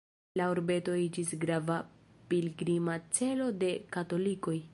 La urbeto iĝis grava pilgrima celo de katolikoj.